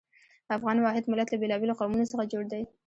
افغان واحد ملت له بېلابېلو قومونو څخه جوړ دی.